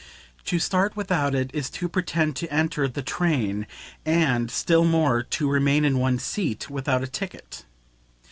To start without it is to pretend to enter the train and, still more, to remain in one's seat, without a ticket.